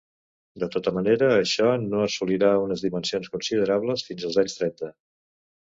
De tota manera, això no assolirà unes dimensions considerables fins als anys trenta.